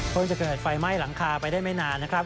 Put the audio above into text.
จะเกิดไฟไหม้หลังคาไปได้ไม่นานนะครับ